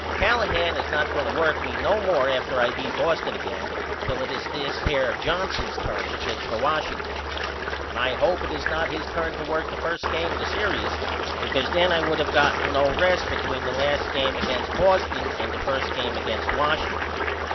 Callahan is not going to work me no more after I beat Boston again till it is this here Johnson's turn to pitch for Washington. And I hope it is not his turn to work the 1st game of the serious because then I would not have no rest between the last game against Boston and the 1st game against Washington.